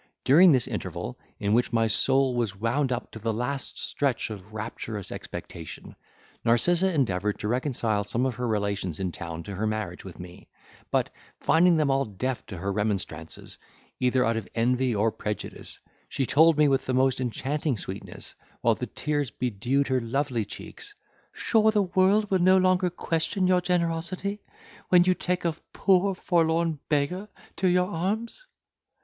During this interval, in which my soul was wound up to the last stretch of rapturous expectation, Narcissa endeavoured to reconcile some of her relations in town to her marriage with me; but, finding them all deaf to her remonstrances, either out of envy or prejudice, she told me with the most enchanting sweetness, while the tears bedewed her lovely cheeks, "Sure the world will no longer question your generosity when you take a poor forlorn beggar to your arms?"